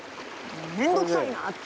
面倒くさいなって。